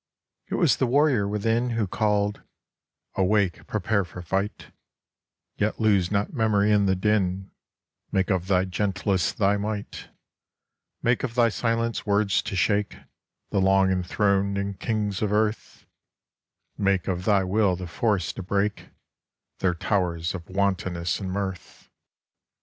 It was the warrior within Who called * Awake, prepare for fight : Yet lose not memory in the din : Make of thy gentleness thy might :' Make of thy silence words to shake The long enthroned kings of earth : Make of thy will the force to break Their towers of wantonness and mirth.'